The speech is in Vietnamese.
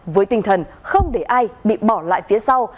với tinh thần không để ai bị bỏ lại phía sau